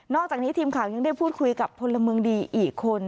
อกจากนี้ทีมข่าวยังได้พูดคุยกับพลเมืองดีอีกคน